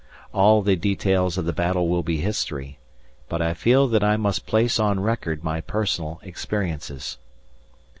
All the details of the battle will be history, but I feel that I must place on record my personal experiences.